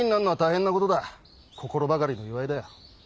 心ばかりの祝いだよ。